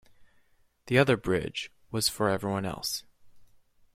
The other bridge was for everyone else.